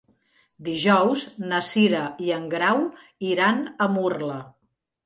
Dijous na Cira i en Grau iran a Murla.